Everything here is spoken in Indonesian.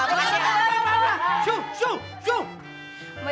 makasih ya mbak